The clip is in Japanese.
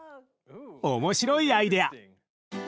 面白いアイデア！